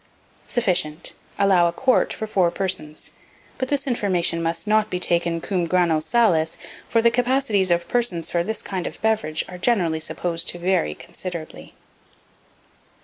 Sufficient. Allow a quart for 4 persons; but this information must be taken cum grano salis; for the capacities of persons for this kind of beverage are generally supposed to vary considerably.